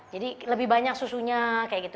jadi lebih banyak susunya seperti itu